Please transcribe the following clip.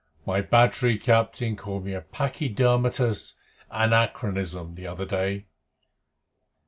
My battery captain called me a Pachydermatous Anachronism the other day."